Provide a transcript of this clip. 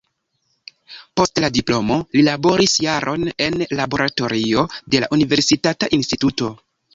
Post la diplomo li laboris jaron en laboratorio de la universitata instituto.